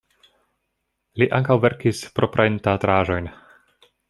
Li ankaŭ verkis proprajn teatraĵojn.